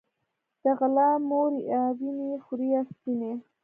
د غله مور يا وينې خورې يا سپينې